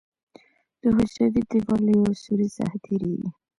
د حجروي دیوال له یو سوري څخه تېریږي.